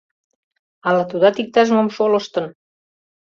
Ала тудат иктаж-мом шолыштын?